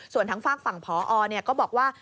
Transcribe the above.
ส่วนทางฝากฝั่งพอก็บอกว่า